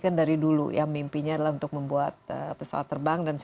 kan dari dulu ya mimpinya adalah untuk membuat pesawat terbang